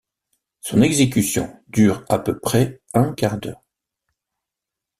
Son exécution dure à peu près un quart d'heure.